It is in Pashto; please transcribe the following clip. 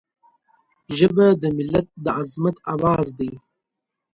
ژبه د ملت د عظمت آواز دی